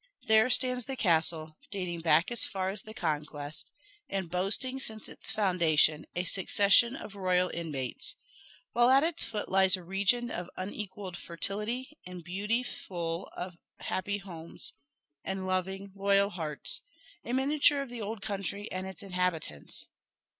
There stands the castle, dating back as far as the Conquest, and boasting since its foundation a succession of royal inmates, while at its foot lies a region of unequalled fertility and beauty full of happy homes, and loving, loyal hearts a miniature of the old country and its inhabitants.